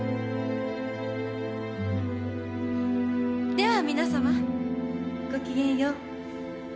では皆さまごきげんよう。